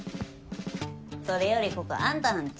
それよりここあんたらん家？